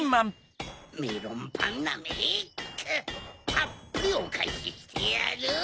たっぷりおかえししてやる！